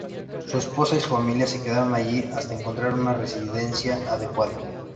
Su esposa y su familia se quedaron allí hasta encontrar una residencia adecuada.